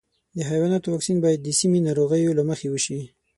د حیواناتو واکسین باید د سیمې د ناروغیو له مخې وشي.